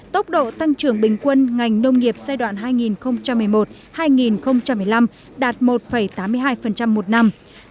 tốc độ tăng trưởng bình quân ngành nông nghiệp giai đoạn hai nghìn một mươi một hai nghìn một mươi năm đạt một tám mươi hai một năm